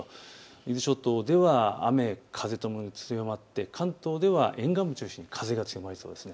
伊豆諸島では雨風ともに強まって関東では沿岸部中心に風が強まりそうです。